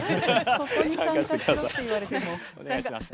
ここに参加しろって言われても。